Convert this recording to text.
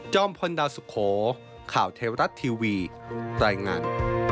พลดาวสุโขข่าวเทวรัฐทีวีรายงาน